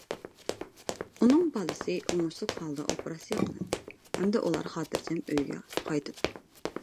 ئۇنىڭ بالىسى ئوڭۇشلۇق ھالدا ئوپېراتسىيە قىلىندى، ئەمدى ئۇلار خاتىرجەم ئۆيىگە قايتىدۇ.